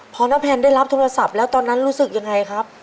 พอน้าแพนได้รับโทรศัพท์แล้วตอนนั้นรู้สึกยังไงครับ